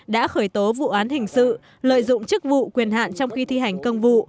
đã khởi tố vụ án hình sự lợi dụng chức vụ quyền hạn trong khi thi hành công vụ